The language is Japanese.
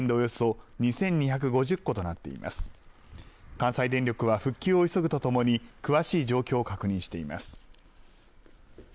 関西電力は復旧を急ぐとともに詳しい状況を確認しています。